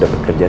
aku mau pergi